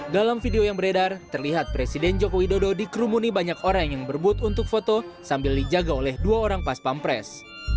dalam video yang beredar terlihat presiden joko widodo dikerumuni banyak orang yang berbut untuk foto sambil dijaga oleh dua orang pas pampres